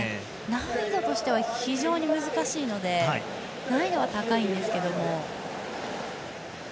難易度としては非常に難しいので難易度は高いんですけども。